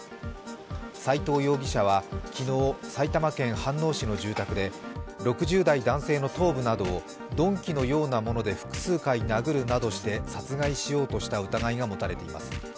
斎藤容疑者は昨日、埼玉県飯能市の住宅で６０代男性の頭部などを鈍器のようなもので複数回殴るなどして殺害しようとした疑いが持たれています。